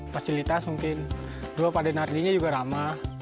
fasilitas mungkin dua pak denardinya juga ramah